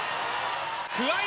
桑井。